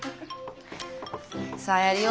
さあやるよ。